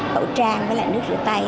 khẩu trang với lại nước rửa tay